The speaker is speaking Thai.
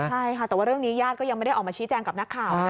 ใช่ค่ะแต่ว่าเรื่องนี้ญาติก็ยังไม่ได้ออกมาชี้แจงกับนักข่าวนะ